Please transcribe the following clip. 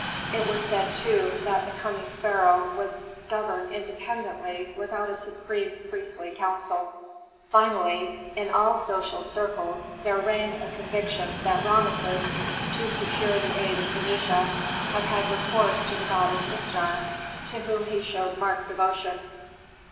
It was said, too, that the coming pharaoh would govern independently, without a supreme priestly council. Finally, in all social circles there reigned a conviction that Rameses, to secure the aid of Phœnicia, had had recourse to the goddess Istar, to whom he showed marked devotion.